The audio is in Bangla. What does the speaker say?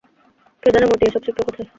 কে জানে মতি এসব শিখল কোথায়!